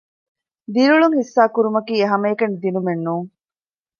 ދިރިއުޅުން ޙިއްޞާކުރުމަކީ ހަމައެކަނި ދިނުމެއް ނޫން